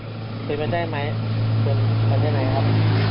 เป็นปัญญาไหมเป็นปัญญาไหนครับ